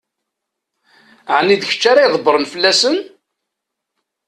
Ɛni d kečč ara ydebbṛen fell-asen?